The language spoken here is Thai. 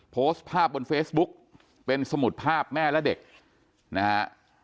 โพสต์ภาพบนเฟซบุ๊กเป็นสมุดภาพแม่และเด็กนะฮะ